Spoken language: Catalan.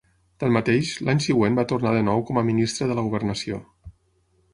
Tanmateix, l'any següent va tornar de nou com a Ministre de la Governació.